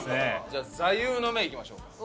じゃあ座右の銘いきましょうか。